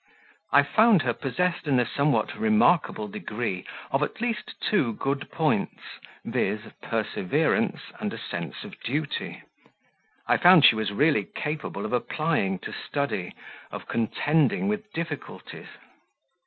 I found her possessed in a somewhat remarkable degree of at least two good points, viz., perseverance and a sense of duty; I found she was really capable of applying to study, of contending with difficulties.